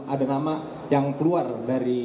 ada nama yang keluar dari